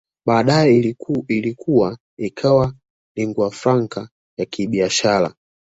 Baadae ilikua ikawa linguafranca ya kibiashara